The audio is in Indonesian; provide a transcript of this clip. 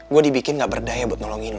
gue dibikin gak berdaya buat nolongin